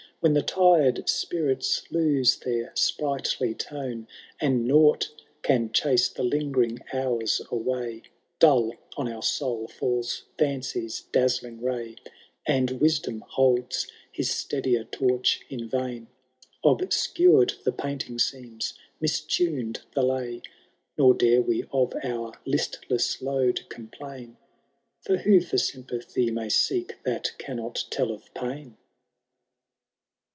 When the tired spirits lose their sprightlj tone. And nought can chase the lingering hours away. Dull on our soul fidls Fancy's dazzling ray, And wisdom holds his steadier torch in vain, Obscured the painting seems, mistuned the lay, Nor dare we of our listless load complain. For who for sympathy may seek that cannot tell of pain